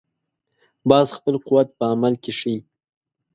باز خپل قوت په عمل کې ښيي